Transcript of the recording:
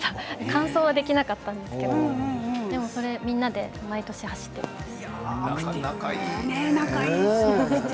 完走はできなかったんですがみんなで毎年走っています。